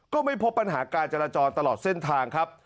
ก็ไม่พบปัญหาการจราจรตลอดเส้นทางครับ